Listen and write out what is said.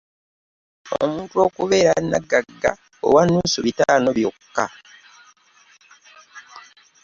Omuntu okubeera n'obugagga obwa nnusu bitaano byokka.